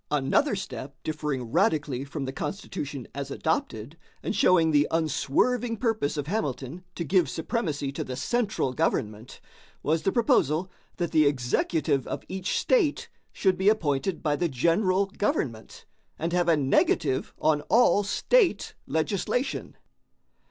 Another step differing radically from the Constitution as adopted, and showing the unswerving purpose of Hamilton to give supremacy to the central government, was the proposal that the executive of each state should be appointed by the general government and have a negative on all state legislation.